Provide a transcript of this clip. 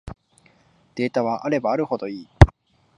データはあればあるほどいい